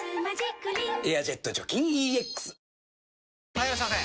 ・はいいらっしゃいませ！